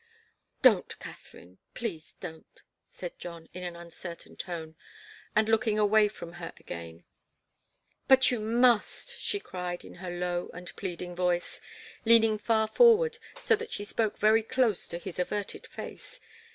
"Don't, Katharine please don't," said John, in an uncertain tone, and looking away from her again. "But you must," she cried in her low and pleading voice, leaning far forward, so that she spoke very close to his averted face.